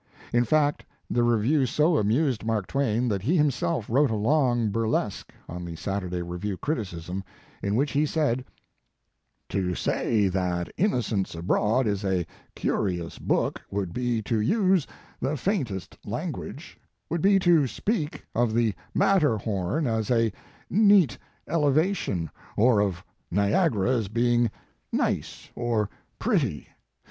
In fact the review so amused Mark Twain that he himself wrote a long burlesque on the Saturday Review criticism, in which he said: "To say that Innocents Abroad is a curious book would be to use the faintest language would be to speak of the Mat terhorn as a neat elevation, or of Niagara as being nice or pretty.